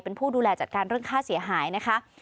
เป็นผู้ดูแลจัดการเรื่องค่าเสียหายนะคะ